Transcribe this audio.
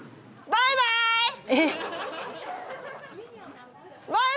バイバーイ！